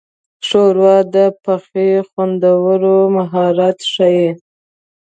ښوروا د پخلي خوندور مهارت ښيي.